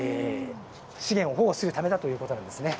資源を保護するためだということなんですね。